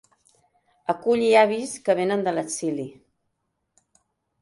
Aculli avis que venen de l'exili.